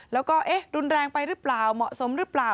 แล้วก็เอ๊ะรุนแรงไปหรือเปล่าเหมาะสมหรือเปล่า